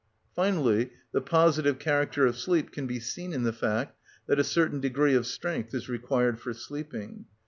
Finally, the positive character of sleep can be seen in the fact that a certain degree of strength is required for sleeping.